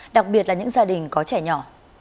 đặc biệt là những gia đình có trẻ nhỏ